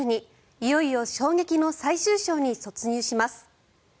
いよいよ衝撃の最終章に突入します！